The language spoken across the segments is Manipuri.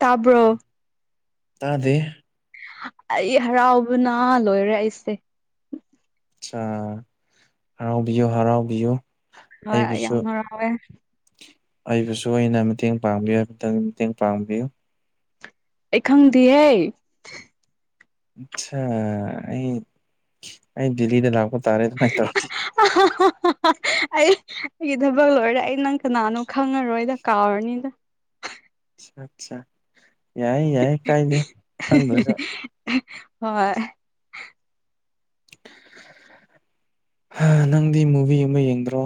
ꯇꯥꯕ꯭ꯔꯣ ꯇꯥꯗꯦ ꯑꯩ ꯍꯔꯥꯎꯕꯅ ꯂꯣꯏꯔꯦ ꯑꯩꯁꯦ ꯑꯥ ꯍꯔꯥꯎꯕꯤꯌꯨ ꯍꯔꯥꯎꯕꯤꯌꯨ ꯍꯣꯏ ꯑꯩ ꯑꯩꯕꯨꯁꯨ ꯌꯥꯝ ꯍꯔꯥꯎꯋꯦ ꯑꯩꯕꯨꯁꯨ ꯑꯣꯏꯅ ꯃꯇꯦꯡ ꯄꯥꯡꯕꯤꯌꯨꯇꯪ ꯃꯇꯦꯡ ꯄꯥꯡꯕꯤꯌꯨ ꯑꯩ ꯈꯪꯗꯤꯍꯦ ꯑꯆꯥ ꯑꯩ ꯑꯩ ꯗꯦꯂꯤꯗ ꯂꯥꯛ ꯇꯥꯔꯦ ꯑꯗꯨꯃꯥꯏꯅ ꯇꯧꯔꯈꯤ ꯑꯩ ꯑꯩꯒꯤ ꯊꯕꯛ ꯂꯣꯏꯔꯦ ꯑꯩ ꯅꯪ ꯀꯅꯥꯅꯣ ꯈꯪꯉꯔꯣꯏꯗ ꯀꯥꯎꯔꯅꯤꯗ ꯑ ꯑꯠꯆꯥ ꯌꯥꯏꯌꯦ ꯌꯥꯏ ꯀꯥꯏꯗꯦ ꯈꯪꯗ꯭ꯔꯁꯨ ꯍꯣꯏ ꯅꯪꯗꯤ ꯃꯨꯚꯤ ꯑꯃ ꯌꯦꯡꯗ꯭ꯔꯣ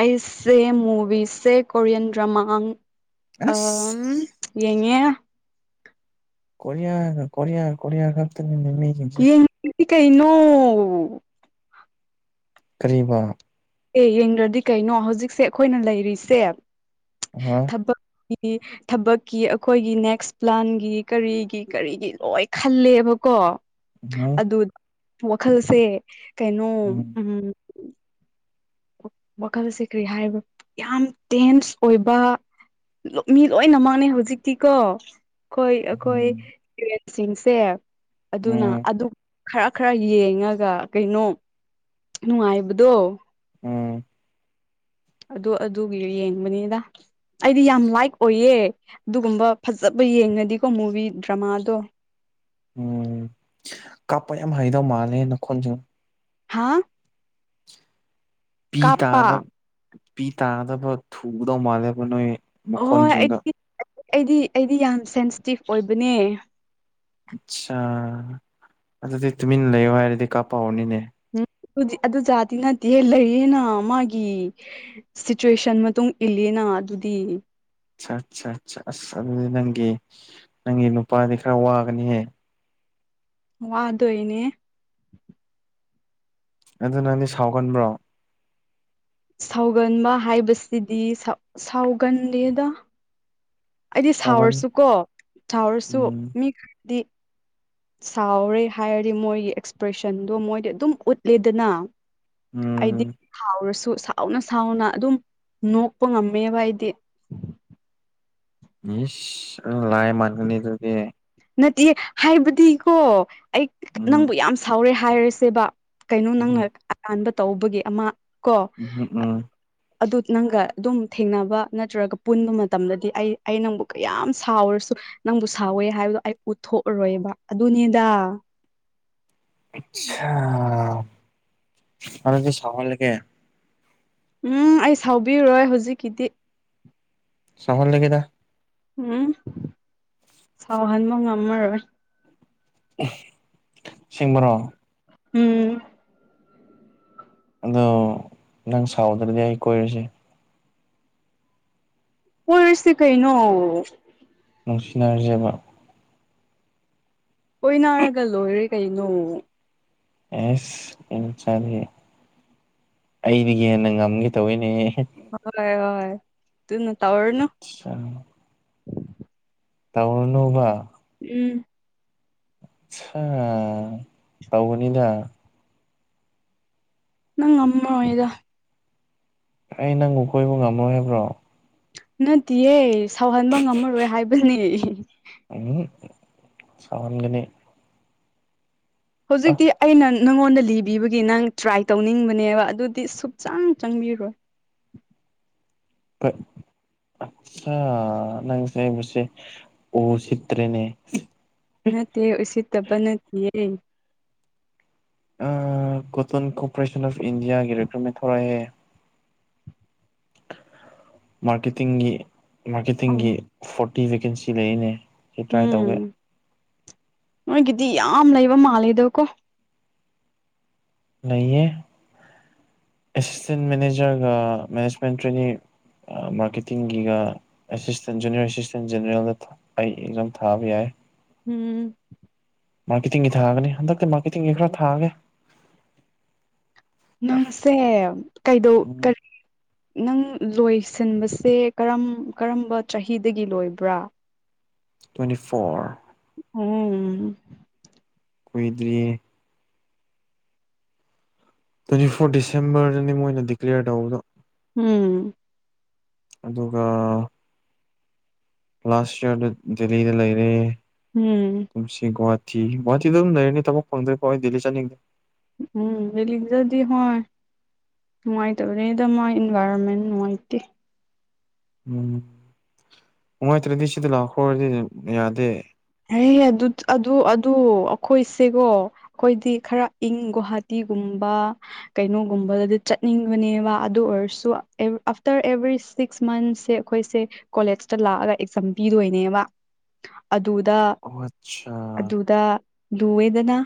ꯑꯩꯁꯦ ꯃꯨꯕꯤꯁꯦ ꯀꯣꯔꯤꯌꯟ ꯗ꯭ꯔꯃꯥ ꯑ ꯑꯁ ꯌꯦꯡ ꯌꯦꯡꯉꯦ ꯀꯣꯔꯤꯌꯥ ꯀꯣꯔꯤꯌꯥ ꯀꯣꯔꯤꯌꯥ ꯈꯛꯇꯅꯤꯅꯦ ꯃꯤꯁꯤꯡꯁꯦ ꯏꯀ ꯀꯩꯅꯣ ꯀꯔꯤꯕ ꯑꯦ ꯌꯦꯡꯗ꯭ꯔꯗꯤ ꯀꯩꯅꯣ ꯍꯧꯖꯤꯛꯁꯦ ꯑꯩꯈꯣꯏꯅ ꯂꯩꯔꯤꯁꯦ ꯑꯍꯥ ꯊꯕꯛꯀꯤ ꯊꯕꯛꯀꯤ ꯑꯩꯈꯣꯏꯒꯤ ꯅꯦꯛꯁ ꯄ꯭ꯂꯥꯟꯒꯤ ꯀꯔꯤꯒꯤ ꯀꯔꯤꯒꯤ ꯂꯣꯏ ꯈꯜꯂꯦꯕꯀꯣ ꯎꯝꯍꯨꯝ ꯑꯗꯨ ꯋꯥꯈꯜꯁꯦ ꯀꯩꯅꯣ ꯎꯝ ꯋꯥꯈꯜꯁꯦ ꯀꯔꯤ ꯍꯥꯏꯔꯤꯕ ꯌꯥꯝ ꯇꯦꯟꯁ ꯑꯣꯏꯕ ꯃꯤ ꯂꯣꯏꯅ ꯃꯥꯡꯉꯦ ꯍꯧꯖꯤꯛꯇꯤꯀꯣ ꯑꯩꯈꯣꯏ ꯎꯝꯍꯨꯝ ꯑꯩꯈꯣꯏ ꯏꯁꯇꯨꯔꯦꯟꯁꯤꯡꯁꯦ ꯑꯗꯨꯅ ꯎꯝ ꯑꯗꯨꯝ ꯈꯔ ꯈꯔ ꯌꯦꯡꯉꯒ ꯀꯩꯅꯣ ꯅꯨꯡꯉꯥꯏꯕꯗꯣ ꯎꯝ ꯑꯗꯨ ꯑꯗꯨꯒꯤ ꯌꯦꯡꯕꯅꯤꯗ ꯑꯩꯗꯤ ꯌꯥꯝ ꯂꯥꯏꯛ ꯑꯣꯏꯌꯦ ꯑꯗꯨꯒꯨꯝꯕ ꯐꯖꯕ ꯌꯦꯡꯉꯗꯤꯀꯣ ꯃꯨꯚꯤ ꯗ꯭ꯔꯃꯥꯗꯣ ꯎꯝ ꯀꯥꯞꯄ ꯌꯥꯝ ꯍꯩꯗꯧ ꯃꯥꯜꯂꯦ ꯅꯈꯣꯜꯁꯤ ꯍꯥꯥ ꯄꯤ ꯇꯥꯗꯕ ꯄꯤ ꯇꯥꯗꯕ ꯇꯧꯒꯗꯧ ꯃꯥꯜꯂꯦꯕ ꯅꯣꯏ ꯍꯣꯏ ꯃꯈꯣꯟꯁꯤꯡꯒ ꯑꯩꯗꯤ ꯑꯩꯗꯤ ꯑꯩꯗꯤ ꯌꯥꯝ ꯁꯦꯟꯁꯤꯇꯤꯞ ꯑꯣꯏꯕꯅꯦ ꯑꯠꯆꯥ ꯑꯗꯨꯗꯤ ꯇꯨꯃꯤꯟꯅ ꯂꯩꯌꯣ ꯍꯥꯏꯔꯗꯤ ꯀꯥꯄꯥꯎꯅꯤꯅꯦ ꯎꯝ ꯑꯗꯨꯗꯤ ꯑꯗꯨ ꯖꯥꯗꯤ ꯅꯠꯇꯦꯍꯦ ꯂꯩꯌꯦꯅ ꯃꯥꯒꯤ ꯁꯤꯆꯨꯋꯦꯁꯟ ꯃꯇꯨꯡ ꯏꯜꯂꯤꯅ ꯑꯗꯨꯗꯤ ꯑ ꯑꯠ ꯑ ꯑꯁ ꯑꯗꯨꯗꯤ ꯅꯪꯒꯤ ꯅꯪꯒꯤ ꯅꯨꯄꯥꯗꯤ ꯈꯔ ꯋꯥꯒꯅꯤꯍꯦ ꯋꯥꯗꯣꯏꯅꯦ ꯑꯗꯨ ꯅꯪꯗꯤ ꯁꯥꯎꯒꯟꯕ꯭ꯔꯣ ꯁꯥꯎꯒꯟꯕ ꯍꯥꯏꯕꯁꯤꯗꯤ ꯁꯥꯎꯒꯟꯗꯦꯗ ꯑꯩꯗꯤ ꯁꯥꯎꯒꯟ ꯁꯥꯎꯔꯁꯨꯀꯣ ꯁꯥꯎꯔꯁꯨ ꯎꯝ ꯃꯤ ꯈꯔꯗꯤ ꯁꯥꯎꯔꯦ ꯍꯥꯏꯔꯗꯤ ꯃꯣꯏꯒꯤ ꯑꯦꯛꯁꯄ꯭ꯔꯦꯁꯟꯗꯣ ꯃꯣꯏꯗꯤ ꯑꯗꯨꯝ ꯎꯠꯂꯦꯗꯅ ꯑꯩꯗꯤ ꯎꯝ ꯁꯥꯎꯔꯁꯨ ꯨ ꯁꯥꯎꯅ ꯁꯥꯎꯅ ꯑꯗꯨꯝ ꯅꯣꯛꯄ ꯉꯝꯃꯦꯕ ꯑꯩꯗꯤ ꯃꯤꯁ ꯂꯥꯏ ꯃꯥꯟꯁꯤꯜꯂꯛ ꯑꯦꯗꯨꯗꯤ ꯅꯠꯇꯦ ꯍꯥꯏꯕꯗꯤꯀꯣ ꯑꯩ ꯎꯝ ꯅꯪꯕꯨ ꯌꯥꯝ ꯁꯥꯎꯔꯦ ꯍꯥꯏꯔꯁꯦꯕ ꯀꯩꯅꯣ ꯎꯝ ꯅꯪꯅ ꯑꯔꯥꯟꯕ ꯇꯧꯕꯒꯤ ꯑꯃ ꯀꯣ ꯎꯝ ꯎꯝ ꯑꯗꯨ ꯅꯪꯒ ꯑꯗꯨꯝ ꯊꯦꯡꯅꯕ ꯅꯠꯇ꯭ꯔꯒ ꯄꯨꯟꯕ ꯃꯇꯝꯗꯗꯤ ꯑꯩ ꯑꯩ ꯅꯪꯕꯨ ꯀꯌꯥꯝ ꯁꯥꯎꯔꯁꯨ ꯅꯪꯕꯨ ꯁꯥꯎꯋꯦ ꯍꯥꯏꯕꯗꯣ ꯑꯩ ꯎꯠꯊꯣꯛꯎꯔꯣꯏꯕ ꯑꯗꯨꯅꯤꯗ ꯑꯠꯁꯥ ꯑꯗꯨꯗꯤ ꯁꯥꯎꯍꯜꯀꯦ ꯎꯝ ꯑꯩ ꯁꯥꯎꯕꯤꯔꯔꯣꯏ ꯍꯧꯖꯤꯛꯀꯤꯗꯤ ꯁꯥꯎꯍꯜꯂꯒꯦꯗ ꯎꯝ ꯁꯥꯎꯍꯟꯕ ꯉꯝꯃꯔꯣꯏ ꯑꯁꯦꯡꯕꯔꯣ ꯎꯝ ꯑꯗꯣ ꯅꯪ ꯁꯥꯎꯗ꯭ꯔꯗꯤ ꯑꯩ ꯀꯣꯏꯔꯁꯦ ꯀꯣꯏꯔꯁꯤ ꯀꯩꯅꯣ ꯅꯨꯡꯁꯤꯅꯔꯖꯦꯕ ꯀꯣꯏꯅꯔꯒ ꯂꯣꯏꯔꯦ ꯀꯩꯅꯣ ꯑꯦꯁ ꯏꯟ ꯆꯔ ꯑꯩꯗꯒꯤ ꯍꯦꯟꯅ ꯉꯝꯒꯦ ꯇꯧꯏꯅꯦ ꯍꯣꯏ ꯍꯣꯏ ꯇꯨꯅ ꯇꯧꯔꯅ ꯇꯧꯔꯅꯨꯕ ꯎꯝ ꯁꯥ ꯇꯧꯕꯅꯤꯗ ꯅꯪ ꯉꯝꯃꯔꯣꯏꯗ ꯑꯩ ꯅꯪꯕꯨ ꯀꯣꯏꯕ ꯉꯝꯃꯔꯣꯏ ꯍꯥꯏꯕ꯭ꯔꯣ ꯅꯠꯇꯤꯌꯦ ꯁꯥꯎꯍꯟꯕ ꯉꯝꯃꯔꯣꯏ ꯍꯥꯏꯕꯅꯦ ꯎꯝ ꯁꯥꯎꯍꯟꯒꯅꯤ ꯑ ꯍꯨꯖꯤꯛꯇꯤ ꯑꯩꯅꯟ ꯅꯪꯉꯣꯟꯗ ꯂꯤꯕꯤꯕꯒꯤ ꯅꯪ ꯇ꯭ꯔꯥꯏ ꯇꯧꯅꯤꯡꯕꯅꯦꯕ ꯑꯗꯨꯗꯤ ꯁꯨꯛꯆꯪ ꯆꯪꯕꯤꯔꯣꯏ [inaudible] ꯑꯠꯁꯥ ꯅꯪꯁꯦꯡꯕꯁꯤ ꯎꯁꯤꯠꯇ꯭ꯔꯦꯅꯦ ꯅꯠꯇꯦ ꯎꯁꯤꯠꯇꯕ ꯅꯠꯇꯤꯌꯦ ꯑ ꯀꯣꯇꯟ ꯀꯣꯄ꯭ꯔꯦꯁꯟ ꯑꯣꯐ ꯏꯟꯗꯤꯌꯥꯒꯤ ꯔꯦꯀ꯭ꯔꯞꯃꯦꯟ ꯊꯣꯔꯛꯑꯦ ꯃꯥꯔꯀꯦꯇꯤꯡꯒꯤ ꯃꯥꯔꯀꯦꯇꯤꯡꯒꯤ ꯑꯣ ꯐꯣꯔꯇꯤ ꯚꯦꯀꯦꯟꯁꯤ ꯂꯩꯌꯦꯅꯦ ꯁꯤ ꯇ꯭ꯔꯥꯏ ꯇꯧꯒꯦ ꯎꯝ ꯅꯣꯏꯒꯤꯗꯤ ꯌꯥꯝ ꯂꯩꯕ ꯃꯥꯜꯂꯦꯗ ꯀꯣ ꯂꯩꯌꯦ ꯑꯦꯁꯤꯁꯇꯦꯟ ꯃꯅꯦꯖꯔꯒ ꯃꯦꯅꯦꯖꯃꯦꯟ ꯇ꯭ꯔꯦꯅꯤꯡ ꯑ ꯃꯥꯔꯀꯦꯇꯤꯡꯒꯤꯒ ꯑꯦꯁꯤꯁꯇꯦꯟ ꯖꯨꯅꯤꯌꯔ ꯑꯦꯁꯤꯁꯇꯦꯟ ꯖꯦꯅꯦꯔꯦꯜꯗ ꯊ ꯑꯩ ꯑꯦꯛꯖꯥꯝ ꯊꯥꯕ ꯌꯥꯏ ꯎꯝ ꯃꯥꯔꯀꯦꯠꯇꯤꯡꯒꯤ ꯊꯥꯒꯅꯤ ꯍꯟꯗꯛꯀ ꯃꯥꯔꯀꯦꯠꯇꯤꯡꯒꯤ ꯈꯔ ꯊꯥꯒꯦ ꯅꯪꯁꯦ ꯀꯩꯗꯧ ꯎꯝ ꯀꯔꯤ ꯅꯪ ꯂꯣꯏꯁꯤꯟꯕꯁꯦ ꯀꯔꯝ ꯀꯔꯝꯕ ꯆꯍꯤꯗꯒꯤ ꯂꯣꯏꯕ꯭ꯔꯥ ꯇ꯭ꯋꯦꯟꯇꯤ ꯐꯣꯔ ꯎꯝ ꯀꯨꯏꯗ꯭ꯔꯤꯌꯦ ꯇ꯭ꯋꯦꯟꯇꯤ ꯐꯣꯔ ꯗꯤꯁꯦꯝꯕꯔꯗꯅꯤ ꯃꯣꯏꯅ ꯗꯤꯀ꯭ꯂꯦꯌꯔ ꯇꯧꯕꯗꯣ ꯎꯝ ꯑꯗꯨꯒꯥ ꯂꯥꯁ ꯌꯔꯗ ꯗꯤꯜꯂꯤꯗ ꯂꯩꯔꯦ ꯎꯝ ꯀꯨꯝꯁꯤꯒꯣꯠ ꯊꯝ ꯒꯨꯋꯥꯇꯤꯗ ꯑꯗꯨꯝ ꯂꯩꯅꯔꯅꯤ ꯊꯕꯛ ꯐꯪꯗ꯭ꯔꯤꯐꯥꯎ ꯑꯩ ꯗꯤꯜꯂꯤ ꯆꯠꯅꯤꯡ ꯎꯝ ꯔꯦꯂꯤꯛꯗꯗꯤ ꯍꯣꯏ ꯅꯨꯡꯉꯥꯏꯇꯕꯅꯤꯗ ꯃꯣꯢ ꯏꯟꯚꯥꯏꯔꯣꯟꯃꯦꯟ ꯅꯨꯡꯉꯥꯏꯇꯦ ꯎꯝ ꯅꯨꯡꯉꯥꯏꯇ꯭ꯔꯗꯤ ꯁꯤꯗ ꯂꯥꯛꯈ꯭ꯔꯣꯗꯤ ꯌꯥꯗꯦ ꯍꯩ ꯑꯗꯨꯠ ꯑꯗꯨ ꯑꯗꯨ ꯑꯈꯣꯏꯁꯦꯀꯣ ꯑꯈꯣꯏꯗꯤ ꯈꯔ ꯏꯪ ꯒꯣꯍꯥꯇꯤ ꯒꯨꯝꯕ ꯀꯩꯅꯣꯒꯨꯝꯕꯗꯗꯤ ꯆꯠꯅꯤꯡꯕꯅꯦꯕ ꯑꯗꯨ ꯑꯣꯏꯔꯁꯨ ꯑꯦ ꯑꯐꯇꯔ ꯑꯦꯚ꯭ꯔꯤ ꯁꯤꯛꯁ ꯃꯟꯁꯁꯦ ꯑꯈꯣꯏꯁꯦ ꯀꯣꯂꯦꯖꯇ ꯂꯥꯛꯑꯒ ꯑꯦꯛꯖꯥꯝ ꯄꯤꯗꯣꯏꯅꯦꯕ ꯑ ꯗꯨꯗ ꯑꯣ ꯑꯠꯆꯥ ꯑꯗꯨꯗ ꯂꯨꯋꯦꯗꯅ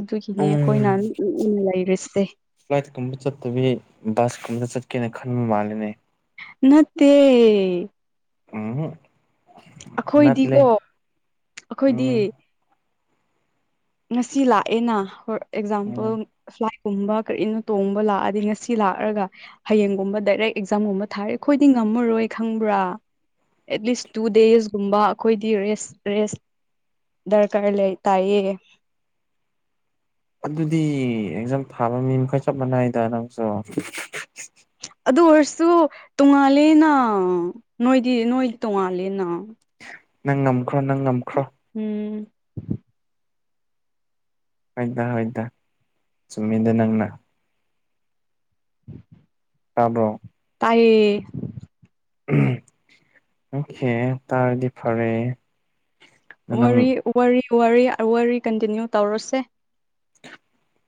ꯑꯗꯨꯒꯤꯅꯦ ꯎꯝ ꯑꯩꯈꯣꯏꯅ ꯎꯅ ꯂꯩꯔꯤꯁꯦ ꯐ꯭ꯂꯥꯏꯠꯀꯨꯝꯕ ꯆꯠꯇꯕꯤ ꯕꯁ ꯀꯨꯝꯕ ꯆꯠ ꯀꯦꯅ ꯈꯟꯕ ꯃꯥꯜꯂꯦꯅꯦ ꯅꯠꯇꯦ ꯎꯝꯍꯝ ꯅꯠꯂꯦ ꯑꯩꯈꯣꯏꯗꯤꯀꯣ ꯑꯩꯈꯣꯏꯗꯤ ꯎꯝ ꯉꯁꯤ ꯂꯥꯛꯑꯦꯅ ꯍꯣꯔ ꯎꯝ ꯑꯦꯛꯖꯥꯝꯄꯜ ꯐ꯭ꯂꯥꯏꯠ ꯀꯨꯝꯕ ꯀꯔꯤꯅꯣ ꯇꯣꯡꯕ ꯂꯥꯛꯑꯗꯤ ꯉꯁꯤ ꯂꯥꯛꯔꯒ ꯍꯌꯦꯡꯒꯨꯝꯕ ꯗꯥꯏꯔꯦꯛ ꯑꯦꯛꯖꯥꯝꯒꯨꯝꯕ ꯊꯥꯔꯦ ꯑꯈꯣꯏꯗꯤ ꯉꯝ ꯃꯔꯣꯏ ꯈꯪꯕ꯭ꯔꯥ ꯑꯦꯠꯂꯤꯁ ꯇꯨ ꯗꯦꯖ ꯀꯨꯝꯕ ꯑꯈꯣꯏꯗꯤ ꯔꯦꯁ ꯔꯦꯁ ꯗꯔꯀꯥꯔ ꯂꯩ ꯇꯥꯏꯌꯦ ꯑꯗꯨꯗꯤ ꯑꯦꯛꯖꯥꯝ ꯊꯥꯕ ꯃꯤ ꯃꯈꯩ ꯆꯞ ꯃꯥꯟꯅꯩꯗ ꯅꯪꯁꯨ ꯑꯗꯨ ꯑꯣꯏꯔꯁꯨ ꯇꯣꯉꯥꯂꯦꯅ ꯅꯣꯏꯗꯤ ꯅꯣꯏꯗꯤ ꯇꯣꯡꯉꯥꯜꯂꯦꯅ ꯅꯪ ꯉꯝꯈ꯭ꯔꯣ ꯅꯪ ꯉꯝꯈ꯭ꯔꯣ ꯎꯝ ꯍꯣꯏꯗ ꯍꯣꯏꯗ ꯆꯨꯝꯃꯤꯗ ꯅꯪꯅ [inaudible] ꯇꯥꯕ꯭ꯔꯣ ꯇꯥꯏꯌꯦ ꯑꯣꯈꯦ ꯇꯔꯗꯤ ꯐꯔꯦ ꯅꯪ ꯋꯥꯔꯤ ꯋꯥꯔꯤ ꯋꯥꯔꯤ ꯀꯟꯇꯤꯅꯤ꯭ꯌꯨ ꯇꯧꯔꯁꯦ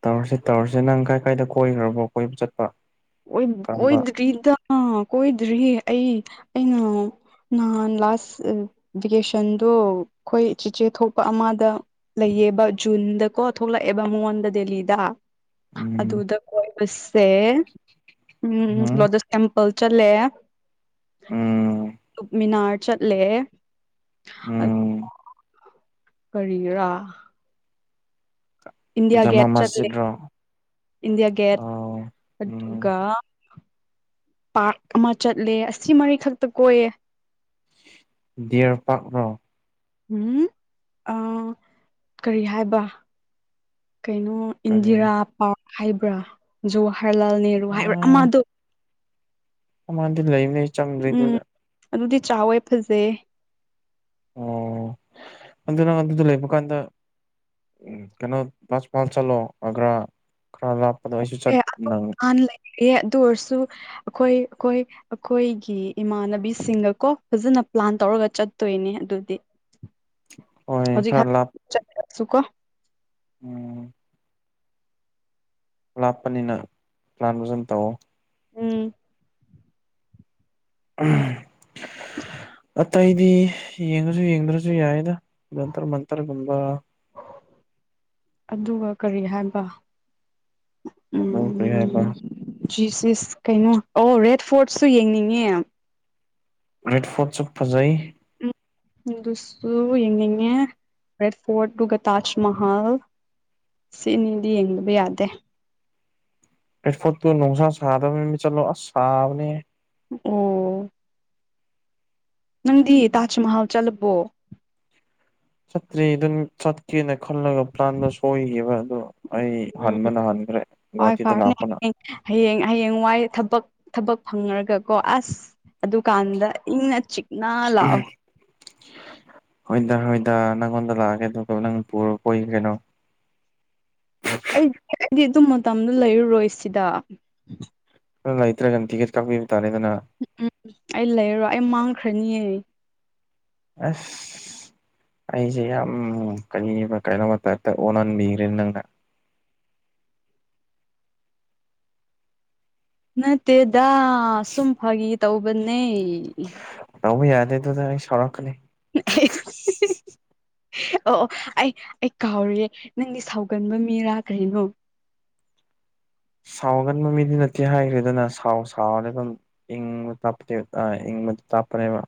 ꯇꯧꯔꯁꯦ ꯇꯧꯔꯁꯦ ꯅꯪ ꯀꯥꯏ ꯀꯥꯏꯗ ꯀꯣꯏꯈ꯭ꯔꯕ ꯀꯣꯏꯕ ꯆꯠꯄ ꯀꯔꯝꯕ ꯀꯣꯏꯗ꯭ꯔꯤꯗ ꯀꯣꯏꯗ꯭ꯔꯤꯍꯦ ꯑꯩ ꯑꯩꯅ ꯅꯍꯥꯟ ꯂꯥꯁ ꯚꯦꯀꯦꯁꯟꯗꯣ ꯑꯈꯣꯏ ꯆꯤꯆꯦ ꯊꯣꯛꯄ ꯑꯃꯗ ꯂꯩꯌꯦ ꯌꯦꯕ ꯖꯨꯟꯗ ꯀꯣ ꯊꯣꯛꯂꯛꯑꯦꯕ ꯃꯉꯣꯟꯗ ꯗꯦꯂꯤꯗ ꯎꯝ ꯑꯗꯨꯗ ꯀꯣꯏꯕꯁꯦ ꯎꯝ ꯂꯣꯇꯁ ꯇꯦꯝꯄ ꯄꯜ ꯆꯠꯂꯦ ꯎꯝ ꯀꯨꯇꯨꯞꯃꯤꯅꯥꯔ ꯆꯠꯂꯦ ꯎꯝ ꯑꯣ ꯀꯔꯤꯔꯥ ꯏꯟꯗꯤꯌꯥ ꯖꯃꯥ ꯒꯦꯠ ꯃꯁꯖꯤꯠ ꯆꯠꯂꯦ ꯔꯣ ꯏꯟꯗꯤꯌꯥ ꯒꯦꯠ ꯑꯣ ꯎꯝ ꯑꯗꯨꯒ ꯄꯥꯔꯛ ꯑꯃ ꯆꯠꯂꯦ ꯑꯁꯤ ꯃꯔꯤꯈꯛꯇ ꯀꯣꯏꯌꯦ ꯗꯤꯌꯔ ꯄꯥꯛꯔꯣ ꯎꯝ ꯑꯥ ꯀꯔꯤ ꯍꯥꯏꯕ ꯀꯩꯅꯣ ꯀꯔꯤ ꯏꯟꯗꯤꯔꯥ ꯄꯥꯔꯛ ꯍꯥꯏꯕ꯭ꯔꯥ ꯖꯨꯋ꯭ꯍꯔꯂꯥꯜ ꯅꯦꯍꯔꯨ ꯍꯥꯏꯕ꯭ꯔꯥ ꯎꯝ ꯑꯃꯗꯣ ꯑꯃꯗꯤ ꯂꯩꯕꯅꯦ ꯎꯝ ꯆꯪꯗ꯭ꯔꯤꯗꯨꯗ ꯑꯗꯨꯗꯤ ꯆꯥꯎꯋꯦ ꯐꯖꯩ ꯑꯣ [inaudible] ꯑꯗꯨ ꯅꯪ ꯑꯗꯨꯗ ꯂꯩꯕ ꯀꯥꯟꯗ ꯎꯝ ꯀꯩꯅꯣ ꯄꯥꯁ ꯄꯥꯜ ꯆꯂꯣ ꯑꯒ꯭ꯔꯥ ꯈꯔ ꯂꯥꯄ ꯄꯗꯣ ꯑꯩꯁꯨ ꯆꯠ ꯑꯇꯣꯞ ꯅꯪ ꯍꯥꯟꯅ ꯑꯦ ꯑꯗꯨ ꯑꯣꯏꯔꯁꯨ ꯑꯩꯈꯣꯏ ꯑꯩꯈꯣꯏ ꯑꯩꯈꯣꯏꯒꯤ ꯏꯃꯥꯟꯅꯕꯤꯁꯤꯡꯒ ꯀꯣ ꯐꯖꯅ ꯄ꯭ꯂꯥꯟ ꯇꯧꯔꯒ ꯆꯠꯇꯣꯏꯅꯦ ꯑꯗꯨꯗꯤ ꯍꯣꯏ ꯈꯔ ꯂꯥꯞ [unintelligible] ꯎꯝ ꯂꯥꯞꯄꯅꯤꯅ ꯄ꯭ꯂꯥꯟ ꯐꯖꯟ ꯇꯧꯑꯣ ꯎꯝ [unintelligible] [inaudible] ꯑꯇꯩꯗꯤ ꯌꯦꯡꯉꯁꯨ ꯌꯦꯡꯗ꯭ꯔꯁꯨ ꯌꯥꯏꯗ ꯃꯟꯇꯔ ꯃꯟꯇꯔꯒꯨꯝꯕ ꯑꯗꯨꯒ ꯀꯔꯤ ꯍꯥꯏꯕ ꯅꯪ ꯀꯔꯤ ꯍꯥꯏꯕ ꯖꯤ ꯁꯤꯁ ꯀꯩꯅꯣ ꯑꯣ ꯔꯦꯠ ꯐꯣꯔꯠꯁꯨ ꯌꯦꯡꯅꯤꯡꯉꯦ ꯔꯤꯠ ꯐꯣꯔꯠ ꯁꯨ ꯐꯖꯩ ꯎꯝ ꯑꯗꯨꯁꯨ ꯌꯦꯅꯤꯡꯉꯦ ꯔꯦꯠ ꯐꯣꯔꯠ ꯑꯗꯨꯒ ꯇꯥꯖ ꯃꯍꯜ ꯁꯤ ꯑꯅꯤꯗꯤ ꯌꯦꯡꯗꯕ ꯌꯥꯗꯦ ꯔꯦꯠ ꯐꯣꯔꯠꯇꯨ ꯅꯨꯡꯁꯥ ꯁꯥꯗꯃ ꯅꯨꯃꯤꯠ ꯆꯠꯂꯣ ꯑꯁ ꯁꯥꯕꯅꯦꯍꯦ ꯑꯣ ꯅꯪꯗꯤ ꯇꯥꯖ ꯃꯍꯜ ꯆꯠꯂꯕꯣ ꯆꯠꯇ꯭ꯔꯤ ꯑꯗꯨꯝ ꯆꯠꯀꯦꯅ ꯈꯜꯂꯒ ꯄ꯭ꯂꯥꯟꯗꯣ ꯁꯣꯏꯈꯤꯕ ꯑꯗꯨ ꯑꯩ ꯍꯟꯕꯅ ꯍꯥꯟꯈ꯭ꯔꯦ ꯍꯣꯏ ꯒꯨꯍꯥꯇꯤꯗ ꯐꯔꯦꯅꯦ ꯂꯥꯛꯄꯅ ꯍꯌꯦꯡ ꯍꯌꯦꯡ ꯋꯥꯏ ꯊꯕꯛ ꯊꯕꯛ ꯐꯪꯉꯔꯒ ꯀꯣ ꯑꯁ ꯑꯗꯨꯀꯥꯟꯗ ꯏꯪꯅ ꯆꯤꯛꯅ ꯂꯥꯛꯑꯣ ꯍꯣꯏꯗ ꯍꯣꯏꯗ ꯅꯉꯣꯟꯗ ꯂꯥꯛꯑꯒꯦ ꯑꯗꯨꯒ ꯅꯪ ꯄꯨꯔꯣ ꯀꯣꯏ ꯀꯩꯅꯣ [inaudible] ꯗꯤ ꯗꯨꯝ ꯃꯇꯝꯗ ꯂꯩꯔꯔꯣꯏ ꯁꯤꯗ ꯑꯗꯥ ꯂꯩꯇꯔꯒ ꯇꯤꯀꯦꯠ ꯀꯛꯄꯤ ꯎꯝ ꯎꯝ ꯑꯩ ꯂꯩꯔꯔꯣꯏ ꯑꯩ ꯃꯥꯡꯈ꯭ꯔꯅꯤꯌꯦ ꯑꯁ ꯑꯩꯁꯦ ꯌꯥꯝ ꯀꯔꯤꯕ ꯀꯩꯅꯣꯝꯃꯥ ꯇꯥꯏꯞꯇ ꯑꯣꯟꯍꯟꯕꯤꯒ꯭ꯔꯦ ꯅꯪꯅ ꯅꯠꯇꯦꯗ ꯁꯨꯝ ꯐꯥꯒꯤ ꯇꯧꯕꯅꯦ ꯇꯧꯕ ꯌꯥꯗꯦ ꯑꯗꯨꯗ ꯑꯩ ꯁꯥꯎꯔꯛꯀꯅꯤ [unintelligible] ꯑꯣ ꯑꯣ ꯑꯩ ꯑꯩ ꯀꯥꯎꯔꯤꯌꯦ ꯅꯪꯗꯤ ꯁꯥꯎꯒꯟꯕ ꯃꯤꯔꯥ ꯀꯔꯤꯅꯣ ꯁꯥꯎꯒꯟꯕ ꯃꯤꯗꯤ ꯅꯠꯇꯦ ꯍꯥꯏꯈ꯭ꯔꯦꯗꯅ ꯁꯥꯎ ꯁꯥꯎꯔ ꯑꯗꯨꯝ ꯏꯪꯕ ꯇꯞꯇꯦ ꯑꯥ ꯏꯪ ꯇꯞꯄꯅꯦꯕ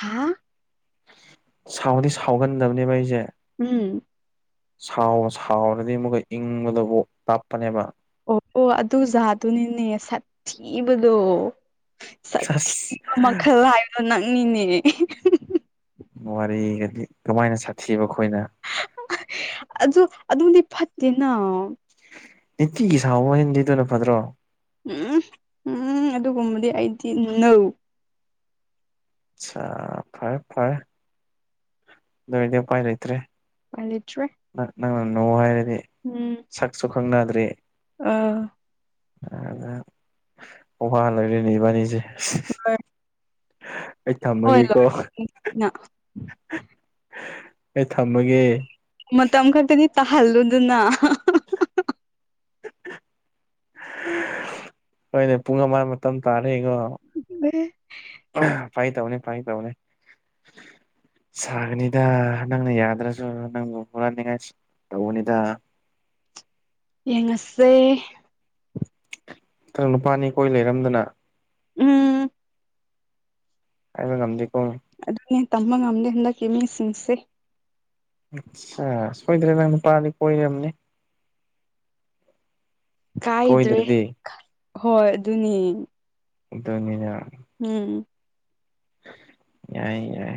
ꯍꯥꯥ ꯁꯥꯎꯗꯤ ꯁꯥꯎꯒꯟꯗꯕꯅꯦꯕ ꯑꯩꯁꯦ ꯎꯝ ꯁꯥꯎ ꯁꯥꯎꯔꯗꯤ ꯑꯃꯨꯛꯀ ꯏꯪꯕꯗꯣꯀꯣ ꯇꯞꯄꯅꯦꯕ ꯑꯣ ꯑꯣ ꯑꯗꯨꯖꯥꯗꯨꯅꯤꯅꯦ ꯁꯛ ꯊꯤꯕꯗꯣ ꯑꯁ ꯁꯊꯤꯄ ꯃꯈꯜ ꯍꯥꯏꯕꯗꯣ ꯅꯪꯅꯤꯅꯦ ꯋꯥꯔꯤꯒꯗꯤ ꯀꯃꯥꯏꯅ ꯁꯥꯁꯊꯤꯕꯀꯣ ꯑꯗꯨ ꯑꯗꯨꯗꯤ ꯐꯠꯇꯦꯅ ꯅꯤꯇꯤꯒꯤ ꯁꯥꯎꯑꯣꯍꯩꯝꯅꯤꯗꯅ ꯐꯗ꯭ꯔꯣ ꯎꯝ ꯎꯝ ꯑꯗꯨꯒꯨꯝꯕꯗꯤ ꯑꯩꯗꯤ ꯅꯣ ꯑꯆꯥ ꯐꯔꯦ ꯐꯔꯦ ꯑꯗꯨꯑꯣꯏꯗꯤ ꯑꯄꯥꯏ ꯂꯩꯇꯔꯦ ꯎꯄꯥꯏ ꯂꯩꯇ꯭ꯔꯦ ꯅꯪꯅ ꯅꯣ ꯍꯥꯏꯔ ꯎꯝ ꯁꯛꯁꯨ ꯈꯪꯅꯗ꯭ꯔꯦ ꯑ ꯑ ꯋꯥ ꯂꯣꯏꯔꯦꯅꯦ ꯏꯕꯥꯅꯤꯁꯦ ꯑꯩ ꯍꯣꯏ ꯊꯝꯃꯒꯦꯀꯣ ꯂꯣꯏ ꯑꯩ ꯊꯝꯃꯒꯦ ꯃꯇꯝ ꯈꯛꯇꯗꯤ ꯇꯥꯍꯜꯂꯨꯗꯅ ꯍꯣꯏꯅꯦ ꯄꯨꯡ ꯑꯃ ꯃꯇꯝ ꯇꯥꯔꯦ ꯌꯦꯉꯣ [unintelligible] ꯐꯥꯒꯤ ꯇꯧꯕꯅꯤ ꯐꯥꯒꯤ ꯇꯧꯅꯦ [inaudible] ꯁꯥꯒꯅꯤꯗ ꯅꯪꯅ ꯌꯥꯗ꯭ꯔꯁꯨ ꯅꯪꯕꯨ ꯍꯨꯔꯥꯟꯅꯤꯡꯉꯥꯏ ꯇꯧꯕꯅꯤꯗ ꯌꯦꯡꯉꯁꯦ ꯅꯪ ꯅꯨꯄꯥꯅꯤ ꯀꯣꯏ ꯂꯩꯔꯝꯗꯅ ꯎꯝ ꯍꯥꯏꯕ ꯉꯝꯗꯦ ꯑꯗꯨꯅꯦ ꯇꯝꯕ ꯉꯝꯗꯦ ꯍꯟꯗꯛꯀꯤ ꯃꯤꯁꯤꯡꯁꯦ ꯑꯥꯠꯁꯥ ꯁꯣꯏꯗ꯭ꯅ ꯅꯪ ꯅꯨꯄꯥ ꯗꯤ ꯀꯣꯏꯔꯝꯅꯤ ꯀꯥꯏꯗ꯭ꯔꯤ ꯀꯣꯏꯗ꯭ꯔꯗꯤ ꯍꯣꯏ ꯑꯗꯨꯅꯤ ꯑꯗꯨꯅꯤꯅ ꯎꯝ ꯌꯥꯏ ꯌꯥꯏ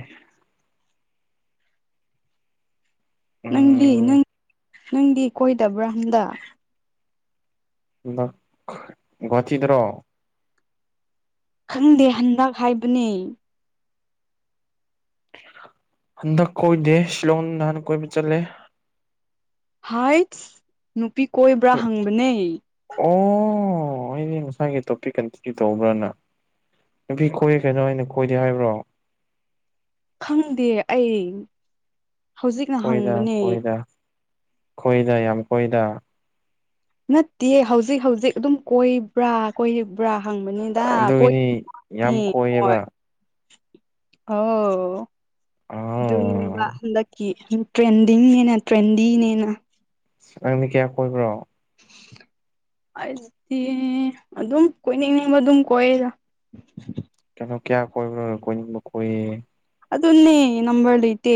ꯅꯪꯗꯤ ꯎꯝ ꯅꯪ ꯅꯪꯗꯤ ꯀꯣꯏꯗꯕ꯭ꯔꯥ ꯍꯥꯏꯕꯅꯤꯗ ꯍꯟꯗꯛ ꯒꯨꯋ꯭ꯥꯍꯥꯇꯤꯗ꯭ꯔꯣ ꯈꯪꯗꯦ ꯍꯟꯗꯛ ꯍꯥꯏꯕꯅꯦ ꯍꯟꯗꯛ ꯀꯣꯏꯗꯦ ꯁꯤꯂꯣꯡ ꯅꯍꯥꯟ ꯀꯣꯏꯕ ꯆꯠꯂꯦ ꯍꯥꯏꯠꯁ ꯅꯨꯄꯤ ꯀꯣꯏꯕ꯭ꯔꯥ ꯍꯪꯕꯅꯦ ꯑꯣ ꯑꯩꯗꯤ ꯉꯁꯥꯏꯒꯤ ꯇꯣꯄꯤꯛ ꯀꯟꯇꯤꯅ꯭ꯌꯨꯨꯨ ꯇꯧꯕ꯭ꯔꯅ ꯅꯨꯄꯤ ꯀꯣꯏꯌꯦ ꯀꯩꯅꯣ ꯑꯩꯅ ꯀꯣꯏꯗꯦ ꯍꯥꯏꯕ꯭ꯔꯣ ꯈꯪꯗꯦ ꯑꯩ ꯍꯧꯖꯤꯛꯅ ꯍꯪꯕꯅꯦ ꯈꯣꯏꯗ ꯌꯥꯝ ꯀꯣꯏꯗ ꯅꯠꯇꯦ ꯍꯧꯖꯤꯛ ꯍꯧꯖꯤꯛ ꯑꯗꯨꯝ ꯀꯣꯏꯕ꯭ꯔꯥ ꯀꯣꯏꯔꯤꯕ꯭ꯔꯥ ꯍꯪꯕꯅꯤꯗ ꯀꯣꯏ ꯑꯗꯨꯒꯤꯅꯤ ꯌꯥꯝ ꯍꯣꯏ ꯀꯣꯏꯌꯦꯕ ꯑꯣ ꯑ ꯑꯗꯨꯅꯦꯕ ꯍꯟꯗꯛ ꯇ꯭ꯔꯦꯟꯗꯤꯡꯅꯦꯅ ꯇ꯭ꯔꯦꯟꯗꯤꯅꯦꯅ ꯅꯪꯗꯤ ꯀꯌꯥ ꯀꯣꯏꯕ꯭ꯔꯣ [inaudible] ꯑꯩꯗꯤ ꯑꯗꯨꯝ ꯀꯣꯏꯅꯤꯡꯕ ꯑꯗꯨꯝ ꯀꯣꯏꯌꯦꯗ ꯀꯩꯅꯣ ꯀꯌꯥ ꯀꯣꯏꯕ꯭ꯔꯣ ꯀꯣꯏꯅꯤꯕ ꯀꯣꯏꯌꯦ ꯑꯗꯨꯅꯦ ꯅꯝꯕꯔ ꯂꯩꯇꯦ